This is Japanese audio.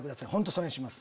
それにします。